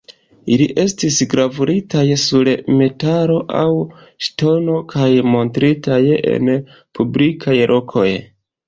Ili estis gravuritaj sur metalo aŭ ŝtono kaj montritaj en publikaj lokoj.